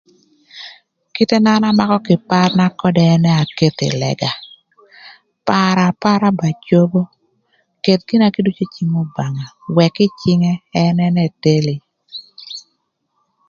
Kite na an amakö kï kwan-na ködë ënë aketho ï lëga, parö apara ba cobo, keth gina kiduc ï cïng Obamga, wëk ï cïngë, ën ënë teli.